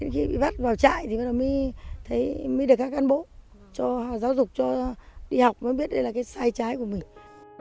khi bị vắt vào trại thì mới được các can bố cho giáo dục cho đi học mới biết đây là cái sai trái của mình